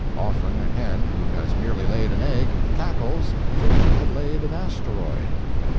Often a hen who has merely laid an egg cackles as if she had laid an asteroid.